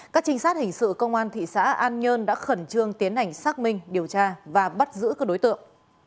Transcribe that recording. các trinh sát hình sự công an thị xã an nhơn đã khẩn trương tiến hành xác minh điều tra và bắt giữ các đối tượng